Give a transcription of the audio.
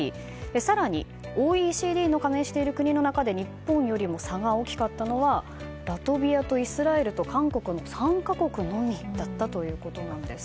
更にＯＥＣＤに加盟している国で日本よりも差が大きかったのはラトビアとイスラエルと韓国の３か国のみだったということです。